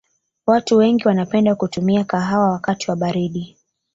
watu wengi wanapenda kutumia kahawa wakati wa baridi